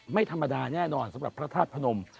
ไม่ธรรมดาแน่นอนสำหรับพระธาตุพนม